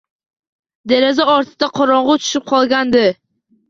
Deraza ortida qorong`u tushib qolgandi